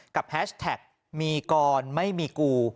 แฮชแท็กมีกรไม่มีกู